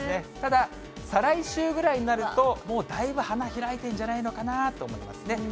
ただ、再来週ぐらいになると、もうだいぶ花開いてるんじゃないかなと思いますね。